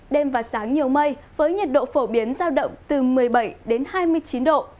đêm và sáng nhiều mây với nhiệt độ phổ biến giao động từ một mươi bảy đến hai mươi chín độ